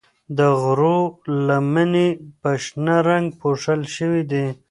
د غرو لمنې په شنه رنګ پوښل شوې دي.